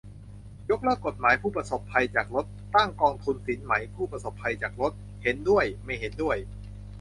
ยกเลิกกฎหมายผู้ประสบภัยจากรถ ตั้งกองทุนสินไหมผู้ประสบภัยจากรถ ? เห็นด้วย ไม่เห็นด้วย